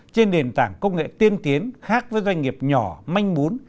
trên nền tảng công nghệ tiên tiến khác với doanh nghiệp nhỏ manh bún